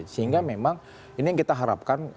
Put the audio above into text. sehingga memang ini yang kita harapkan